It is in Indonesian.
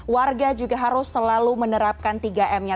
warga juga harus selalu menerapkan tiga m nya